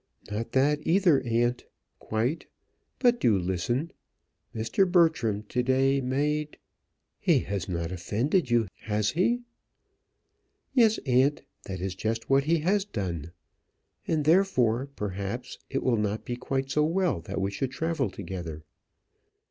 "Not that either, aunt quite; but do listen. Mr. Bertram to day made " "He has not offered to you, has he?" "Yes, aunt; that is just what he has done. And, therefore, perhaps it will not be quite so well that we should travel together."